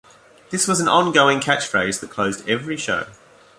This was an ongoing catchphrase that closed every show.